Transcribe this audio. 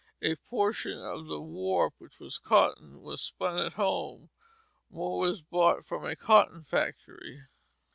A portion of the warp, which was cotton, was spun at home; more was bought from a cotton factory.